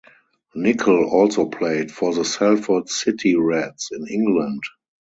Nicol also played for the Salford City Reds in England.